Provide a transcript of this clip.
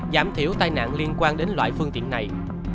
giảm thiểu tai nạn liên quan đến loại vụ tai nạn